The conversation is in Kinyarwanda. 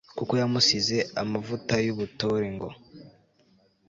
kuko yamusize amavuta y'ubutore, ngo